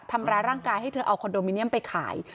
ทำร้ายร่างกายให้เธอเอาคอนโดมิเนียมไปขาย